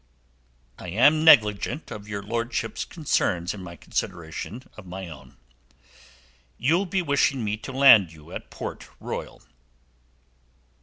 "I am negligent of your lordship's concerns in my consideration of my own. You'll be wishing me to land you at Port Royal."